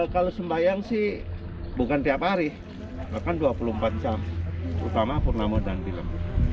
kalau sembahyang sih bukan tiap hari bahkan dua puluh empat jam utama purnamo dan film